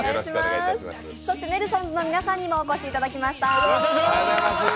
そしてネルソンズの皆さんにもお越しいただきました。